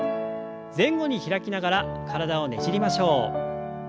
前後に開きながら体をねじりましょう。